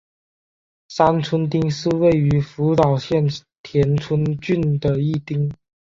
三春町是位于福岛县田村郡的一町。